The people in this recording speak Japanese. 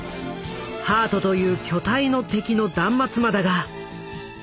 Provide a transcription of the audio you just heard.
ハートという巨体の敵の断末魔だが。